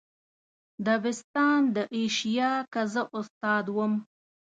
دبستان د ایشیا که زه استاد وم.